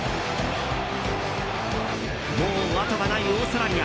もう後がないオーストラリア。